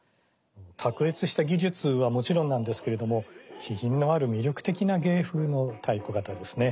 卓越した技術はもちろんなんですけれども気品のある魅力的な芸風の太鼓方ですね。